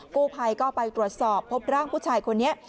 กู้ภัยก็ไปตรวจสอบพบร่างผู้ชายคนนี้